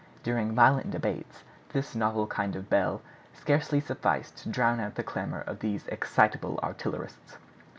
During violent debates this novel kind of bell scarcely sufficed to drown the clamor of these excitable artillerists.